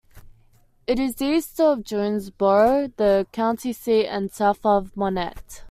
It is east of Jonesboro, the county seat, and south of Monette.